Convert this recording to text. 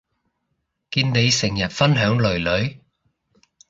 見你成日分享囡囡